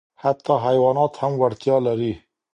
حتی حیوانات هم وړتیا لري.